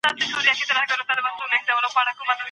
نجلۍ ته تر واده مخکي قوي روحيه ورکړئ.